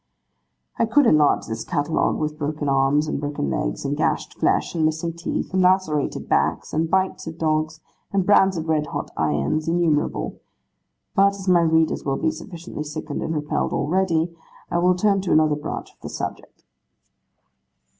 I could enlarge this catalogue with broken arms, and broken legs, and gashed flesh, and missing teeth, and lacerated backs, and bites of dogs, and brands of red hot irons innumerable: but as my readers will be sufficiently sickened and repelled already, I will turn to another branch of the subject.